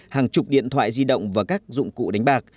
hàng chục điện thoại di động và các dụng cụ đánh bạc